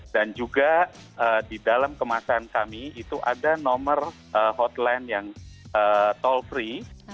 dan juga di dalam kemasan kami itu ada nomor hotline yang toll free